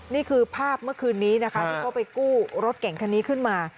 นี่คือภาพเมื่อคืนนี้นะคะที่เขาไปกู้รถเก่งคันนี้ขึ้นมา